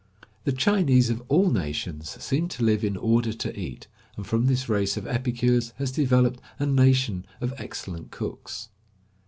The Chinese of all nations seem to live in order to eat, and from this race of epicures has developed a nation of excellent cooks.